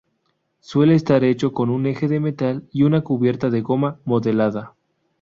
Suele estar hecho con un eje de metal y una cubierta de goma modelada.